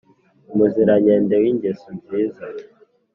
umuzirankende w’ingeso nziza